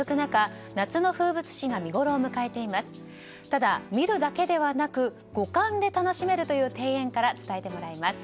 ただ見るだけではなく五感で楽しめるという庭園から伝えてもらいます。